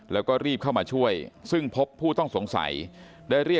แล้วก็รีบเข้ามาช่วย